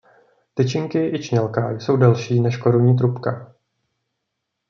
Tyčinky i čnělka jsou delší než korunní trubka.